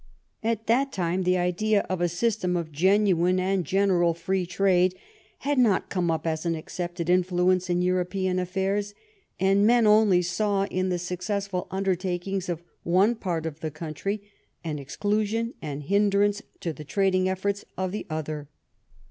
At that time the idea of a system of genuine and general free trade had not come up as an accepted influence in European affairs, and men only saw in the successful undertakings of one part of the country an exclusion and hinderance to the trading efforts of the other.